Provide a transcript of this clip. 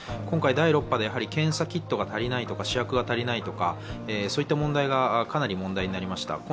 今回、第６波で検査キットが足りないとか試薬が足りないといった問題がかなり問題になりました。